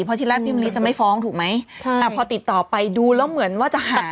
เพราะทีละพี่มณิจะไม่ฟ้องถูกไหมพอติดต่อไปดูแล้วเหมือนว่าจะหาย